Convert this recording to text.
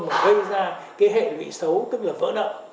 mà gây ra cái hệ lụy xấu tức là vỡ nợ